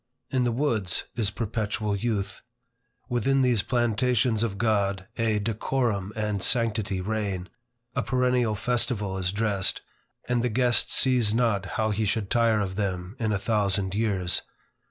In the woods, is perpetual youth. Within these plantations of God, a decorum and sanctity reign, a perennial festival is dressed, and the guest sees not how he should tire of them in a thousand years.